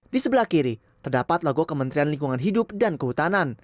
di sebelah kiri terdapat logo kementerian lingkungan hidup dan kehutanan